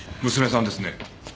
娘さんですね？